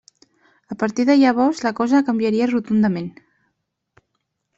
A partir de llavors la cosa canviaria rotundament.